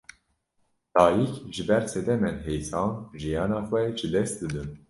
Dayîk, ji ber sedemên hêsan jiyana xwe ji dest didin